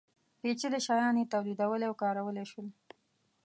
پېچلي شیان یې تولیدولی او کارولی شول.